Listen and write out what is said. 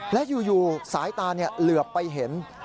และอยู่สายตาเหลือบไปเห็น